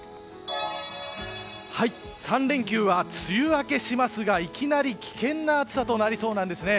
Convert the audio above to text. ３連休は梅雨明けしますがいきなり危険な暑さとなりそうです。